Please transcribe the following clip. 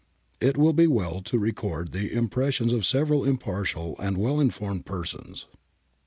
It will be well to record the impressions of several impartial and well informed persons.